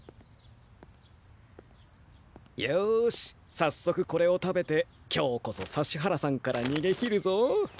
よしさっそくこれを食べて今日こそ指原さんからにげきるぞ。